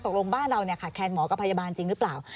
บ้านเราขาดแนนหมอกับพยาบาลจริงหรือเปล่า